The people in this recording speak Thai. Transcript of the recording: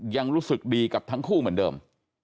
ยังรู้สึกดีกับทั้งคู่เหมือนเดิม